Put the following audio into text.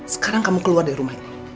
sekarang kamu keluar dari rumah ini